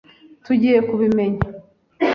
Tugiye kubimenya.